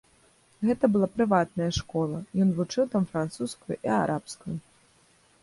Гэта была прыватная школа, ён вучыў там французскую і арабскую.